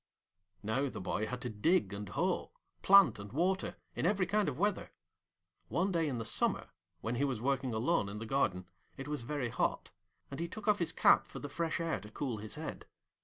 Now the boy had to dig and hoe, plant and water, in every kind of weather. One day in the summer, when he was working alone in the garden, it was very hot, and he took off his cap for the fresh air to cool his head.